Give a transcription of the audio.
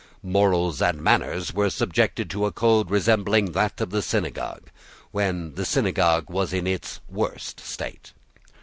Morals and manners were subjected to a code resembling that of the synagogue, when the synagogue was in its worst state.